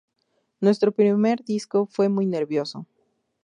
Nuestro primer disco fue muy nervioso.